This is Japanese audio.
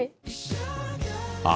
あ